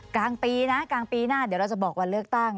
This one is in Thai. กลางปีนะกลางปีหน้าเดี๋ยวเราจะบอกวันเลือกตั้ง